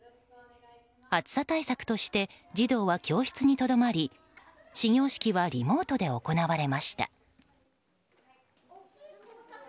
暑さ対策として児童は教室にとどまり始業式はリモートで行われました。